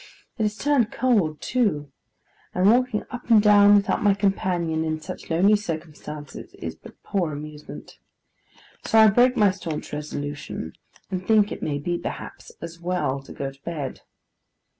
It has turned cold too; and walking up and down without my companion in such lonely circumstances, is but poor amusement. So I break my staunch resolution, and think it may be, perhaps, as well to go to bed.